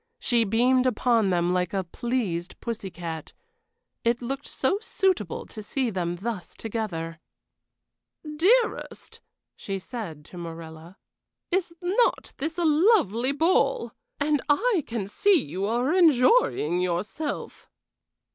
She beamed upon them like a pleased pussy cat. It looked so suitable to see them thus together! "Dearest," she said to Morella, "is not this a lovely ball? And I can see you are enjoying yourself."